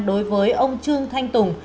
đối với ông trương thanh tùng